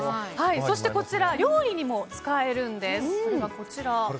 そして、料理にも使えるんです。